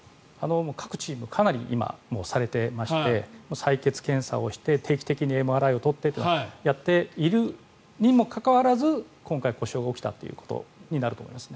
各チームかなり今、もうされてまして採血検査をして定期的にＭＲＩを撮ってとやっているにもかかわらず今回、故障が起きたということになると思います。